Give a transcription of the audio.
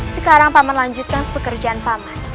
sekarang paman melanjutkan pekerjaan paman